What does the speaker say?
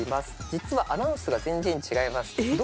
実はアナウンスが全然違いますえっ？